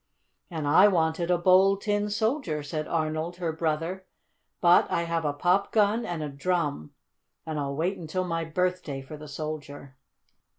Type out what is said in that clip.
"And I wanted a Bold Tin Soldier," said Arnold, her brother. "But I have a pop gun and a drum, and I'll wait until my birthday for the soldier."